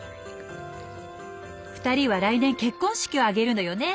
２人は来年結婚式を挙げるのよね。